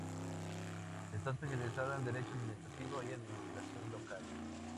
Está especializada en derecho administrativo y administración local.